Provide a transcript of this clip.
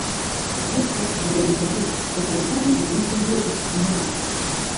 Bakoitzak bere lekua du, eta elkarri laguntzen diote semeengatik.